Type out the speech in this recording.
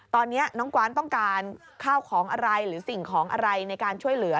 ตอนนี้น้องกวานต้องการข้าวของอะไรหรือสิ่งของอะไรในการช่วยเหลือ